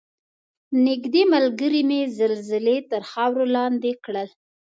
نږدې ملګرې مې زلزلې تر خاورو لاندې کړل.